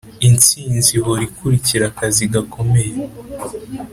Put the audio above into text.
intsinzi ihora ikurikira akazi gakomeye.